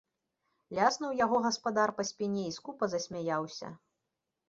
Ляснуў яго гаспадар па спіне і скупа засмяяўся.